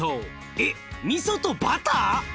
えっみそとバター？